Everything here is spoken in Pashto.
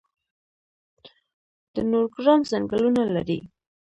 د نورګرام ځنګلونه لري